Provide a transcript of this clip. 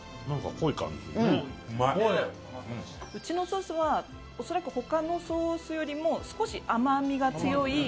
うちのソースは恐らく他のソースよりも少し甘みが強い。